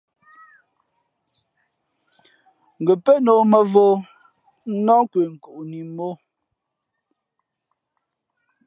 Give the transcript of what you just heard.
Ngα̌ pén ō mα̌vō nά kwe nkuʼni mǒ.